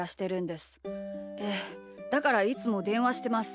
でだからいつもでんわしてます。